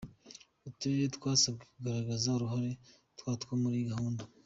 Uturere twasabwe kugaragaza uruhare rwatwo muri iyi gahunda.